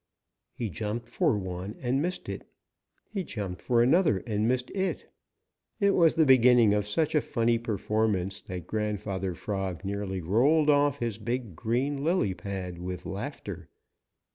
He jumped for one and missed it. He jumped for another and missed it. It was the beginning of such a funny performance that Grandfather Frog nearly rolled off his big green lily pad with laughter.